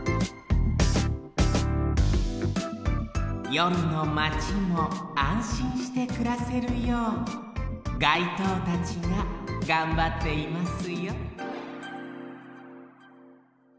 よるのマチもあんしんしてくらせるよう街灯たちががんばっていますよ